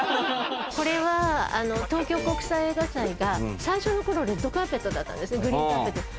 これは東京国際映画祭が最初の頃レッドカーペットだったんですグリーンカーペットじゃなく。